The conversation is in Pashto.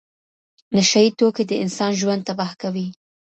نشه یي توکي د انسان ژوند تباه کوي.